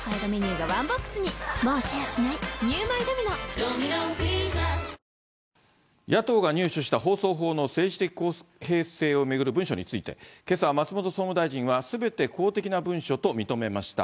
２人の方は救出されたということですが、野党が入手した放送法の政治的公正を巡る文書について、けさ、松本総務大臣はすべて公的な文書と認めました。